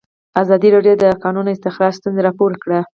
ازادي راډیو د د کانونو استخراج ستونزې راپور کړي.